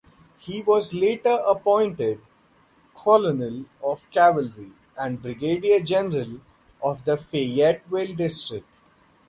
He was later appointed Colonel of Cavalry and Brigadier General of the Fayetteville District.